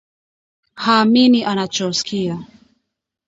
Haamini anachosikia